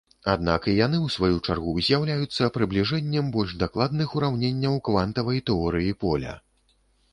Аднак, і яны ў сваю чаргу з'яўляюцца прыбліжэннем больш дакладных ураўненняў квантавай тэорыі поля.